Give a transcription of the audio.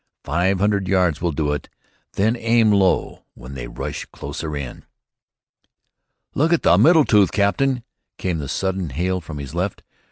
"Five hundred yards will do it. Then aim low when they rush closer in." "Look at the middle tooth, captain," came the sudden hail from his left.